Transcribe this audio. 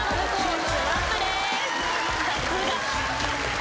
さすが！